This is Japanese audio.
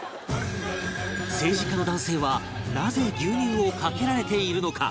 政治家の男性はなぜ牛乳をかけられているのか？